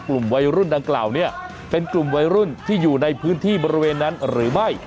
กลุ่มวัยรุ่นดังกล่าวเนี่ยเป็นกลุ่มวัยรุ่นที่อยู่ในพื้นที่บริเวณนั้นหรือไม่